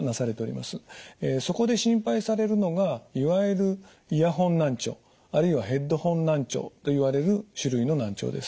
そこで心配されるのがいわゆるイヤホン難聴あるいはヘッドホン難聴といわれる種類の難聴です。